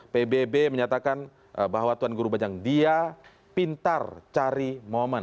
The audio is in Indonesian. pbb menyatakan bahwa tuan guru bajang dia pintar cari momen